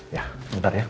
iya sebentar ya